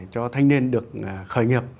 cho thanh niên được khởi nghiệp